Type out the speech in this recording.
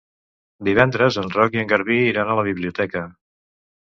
Divendres en Roc i en Garbí iran a la biblioteca.